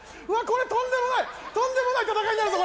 これとんでもないとんでもない戦いになるぞ